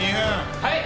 はい！